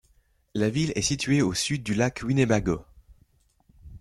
La ville est située au sud du lac Winnebago.